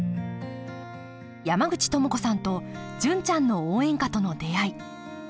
山口智子さんと「純ちゃんの応援歌」との出会い。